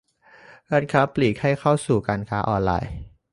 ร้านค้าปลีกให้เข้าสู่การค้าออนไลน์